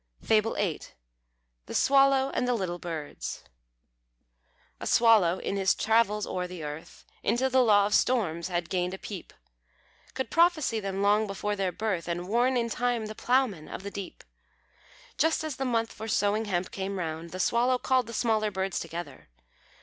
FABLE VIII. THE SWALLOW AND THE LITTLE BIRDS. A Swallow, in his travels o'er the earth, Into the law of storms had gained a peep; Could prophesy them long before their birth, And warn in time the ploughmen of the deep. Just as the month for sowing hemp came round, The Swallow called the smaller birds together.